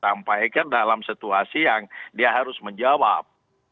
sampaikan dalam situasi yang dia harus menjawab